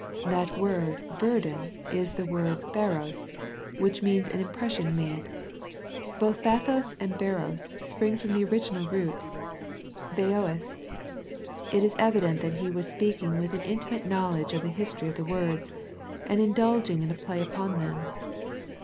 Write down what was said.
That word " >urden " is the word ^apos, which means an impression made. Both jSa^os and /Sdpo^ spring from the original root fSda L^. It is evident that He was speak ing with an intimate knowledge of the history of the words, and indulging in a play upon them.